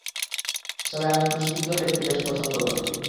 আসলে, আমি ক্রুশবিদ্ধ দেখতে বেশ পছন্দ করি।